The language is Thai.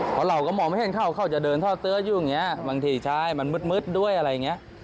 เพราะเราก็มองไม่เห็นเข้าเขาจะเดินท่อเสื้ออยู่อย่างนี้บางทีใช่มันมืดด้วยอะไรอย่างนี้